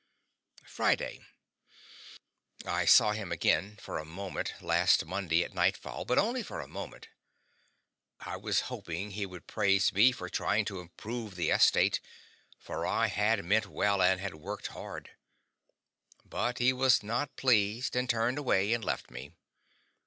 FRIDAY. I saw him again, for a moment, last Monday at nightfall, but only for a moment. I was hoping he would praise me for trying to improve the estate, for I had meant well and had worked hard. But he was not pleased, and turned away and left me.